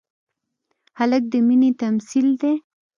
هلک د مینې تمثیل دی.